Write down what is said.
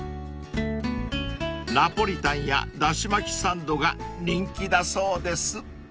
［ナポリタンやだし巻きサンドが人気だそうです］